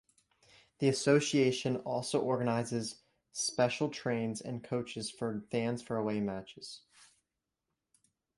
The association also organizes special trains and coaches for fans for away matches.